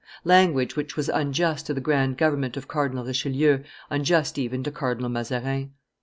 Language which was unjust to the grand government of Cardinal Richelieu, unjust even to Cardinal Mazarin.